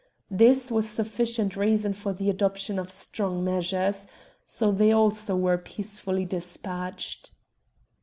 This was sufficient reason for the adoption of strong measures, so they also were peacefully despatched."